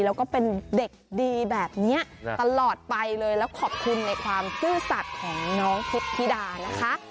แล้วก็เป็นเด็กดีแบบนี้ตลอดไปเลยแล้วขอบคุณในความซื่อสัตว์ของน้องทิพธิดานะคะ